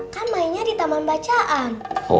kan mainnya di taman bacaan